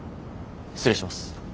失礼します。